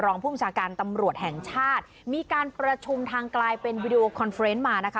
ภูมิชาการตำรวจแห่งชาติมีการประชุมทางกลายเป็นวีดีโอคอนเฟรนต์มานะคะ